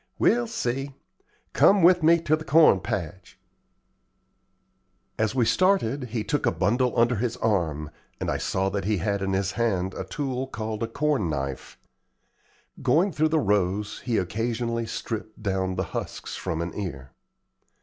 "We'll see. Come with me to the corn patch." As we started he took a bundle under his arm, and I saw that he had in his hand a tool called a corn knife. Going through the rows he occasionally stripped down the husks from an ear.